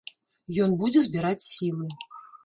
Ён будзе збіраць сілы.